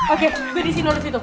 oke gue disini luar situ